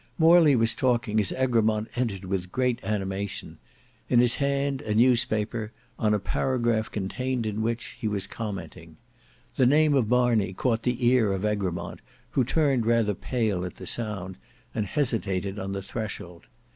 Morley was talking as Egremont entered with great animation; in his hand a newspaper, on a paragraph contained in which he was commenting. The name of Marney caught the ear of Egremont who turned rather pale at the sound, and hesitated on the threshold.